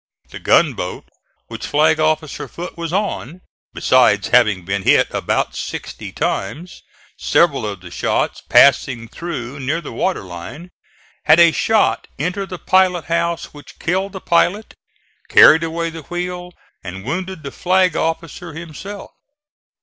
The gunboat which Flag officer Foote was on, besides having been hit about sixty times, several of the shots passing through near the waterline, had a shot enter the pilot house which killed the pilot, carried away the wheel and wounded the flag officer himself.